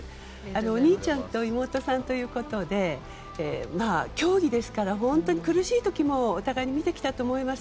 お兄ちゃんと妹さんということで競技ですから本当に苦しい時もお互い見てきたと思います。